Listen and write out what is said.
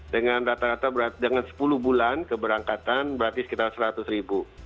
dengan rata rata dengan sepuluh bulan keberangkatan berarti sekitar seratus ribu